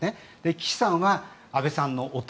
岸さんは安倍さんの弟。